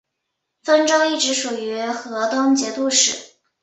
汾州一直属于河东节度使。